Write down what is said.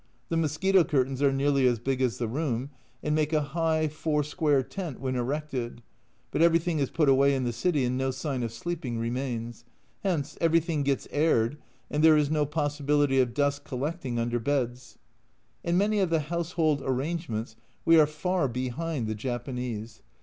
The mosquito curtains are nearly as big as the room, and make a high, four square tent when erected, but everything is put away in the day, and no sign of sleeping remains ; hence everything gets aired and there is no possibility of dust collecting under beds. In many of the household arrangements we are far behind the Japanese.